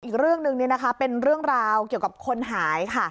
อีกเรื่องหนึ่งเป็นเรื่องราวเกี่ยวกับคนหายค่ะ